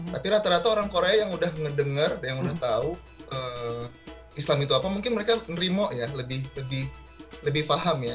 tapi rata rata orang korea yang udah ngedenger yang udah tahu islam itu apa mungkin mereka nerima ya lebih paham ya